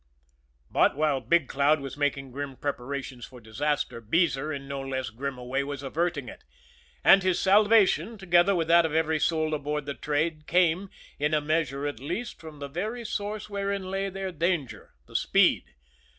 But while Big Cloud was making grim preparations for disaster, Beezer in no less grim a way was averting it, and his salvation, together with that of every soul aboard the train, came, in a measure at least, from the very source wherein lay their danger the speed.